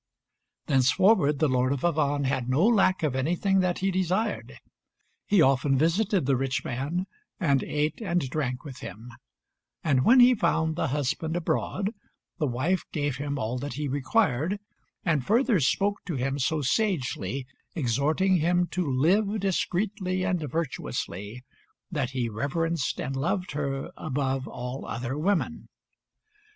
Thenceforward the Lord of Avannes had no lack of anything that he desired. He often visited the rich man, and ate and drank with him; and when he found the husband abroad, the wife gave him all that he required, and further spoke to him so sagely, exhorting him to live discreetly and virtuously, that he reverenced and loved her above all other women.